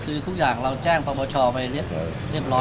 คือทุกอย่างเราแจ้งประประชาไปเรียบร้อย